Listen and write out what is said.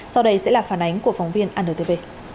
sau đây sẽ là phản ánh của phóng viên antv